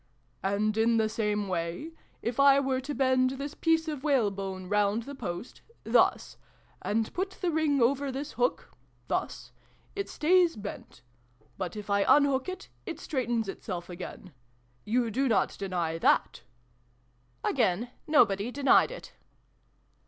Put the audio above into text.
"And in the same way, if I were to bend this piece of whalebone round the post thus and put the ring over this hook thus it stays bent : but, if I unhook it, it straightens itself again. You do not deny that?" Again, nobody denied it.